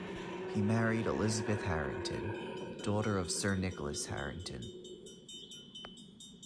He married Elizabeth Harrington, daughter of Sir Nicholas Harrington.